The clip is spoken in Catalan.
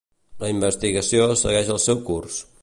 La investigació segueix el seu curs.